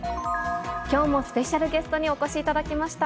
きょうもスペシャルゲストにお越しいただきました。